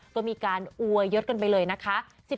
ก็มีการอวยยศกันไปเลยนะคะ